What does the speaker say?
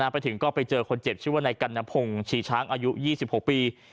ไปถึงก็ไปเจอคนเจ็บชื่อว่าในกัณพงศ์ชีช้างอายุ๒๖ปี